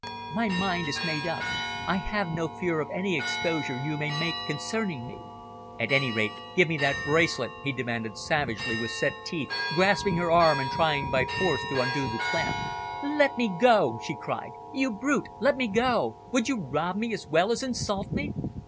"My mind is made up. I have no fear of any exposure you may make concerning me." "At any rate give me that bracelet," he demanded savagely, with set teeth, grasping her arm and trying by force to undo the clasp. "Let me go!" she cried. "You brute! Let me go! Would you rob me, as well as insult me?"